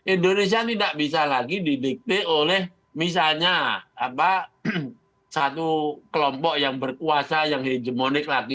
indonesia tidak bisa lagi didikte oleh misalnya satu kelompok yang berkuasa yang hegemonik lagi